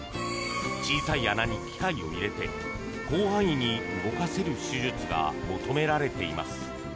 小さい穴に器械を入れて広範囲に動かせる手術が求められています。